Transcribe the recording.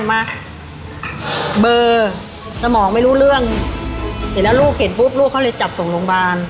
แม่เหลือใจว่าแม่ขออนุญาตนะ